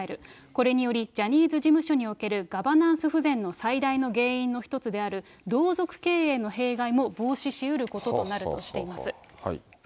これにより、ジャニーズ事務所におけるガバナンス不全の最大の原因の一つである、同族経営の弊害も防止しうることになるとしています。